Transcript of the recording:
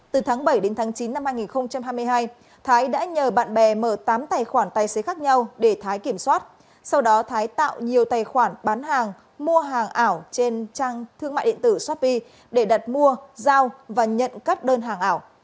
từ tháng bảy đến tháng chín năm hai nghìn hai mươi hai thái đã nhờ bạn bè mở tám tài khoản tài xế khác nhau để thái kiểm soát sau đó thái tạo nhiều tài khoản bán hàng mua hàng ảo trên trang thương mại điện tử shopee để đặt mua giao và nhận các đơn hàng ảo